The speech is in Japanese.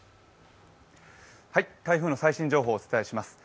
台風の最新情報をお伝えします。